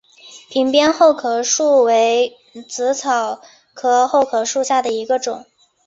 屏边厚壳树为紫草科厚壳树属下的一个种。